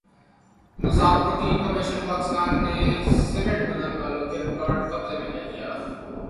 مسابقتی کمیشن پاکستان نے سیمنٹ بنانے والوں کا ریکارڈ قبضے میں لے لیا